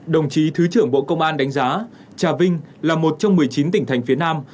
đồng chí thứ trưởng bộ công an đánh giá trà vinh là một trong một mươi chín tỉnh thành phía nam